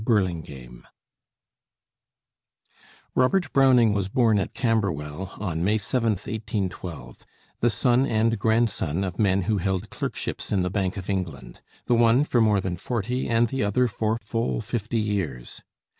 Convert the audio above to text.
BURLINGAME Robert Browning was born at Camberwell on May 7th, 1812, the son and grandson of men who held clerkships in the Bank of England the one for more than forty and the other for full fifty years.